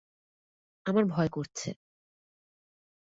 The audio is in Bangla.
আমার ভয় করছে।